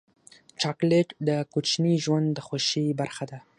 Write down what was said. چاکلېټ د کوچني ژوند د خوښۍ برخه ده.